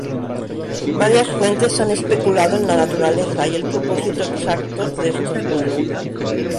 Varias fuentes han especulado en la naturaleza y el propósito exactos de estos vuelos.